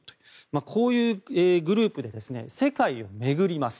こういうグループで世界を巡ります。